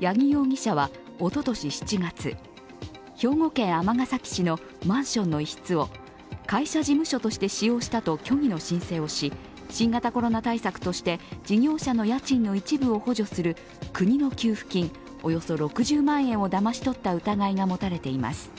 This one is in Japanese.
矢木容疑者はおととし７月、兵庫県尼崎市のマンションの一室を会社事務所として使用したと虚偽の申請をし新型コロナ対策として事業者の家賃の一部を補助する国の給付金およそ６０万円をだまし取った疑いが持たれています。